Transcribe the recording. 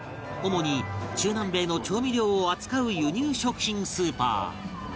主に中南米の調味料を扱う輸入食品スーパー